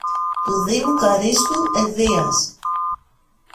του Δήμου Καρύστου Ευβοίας